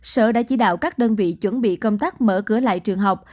sở đã chỉ đạo các đơn vị chuẩn bị công tác mở cửa lại trường học